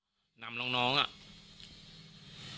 แม้นายเชิงชายผู้ตายบอกกับเราว่าเหตุการณ์ในครั้งนั้น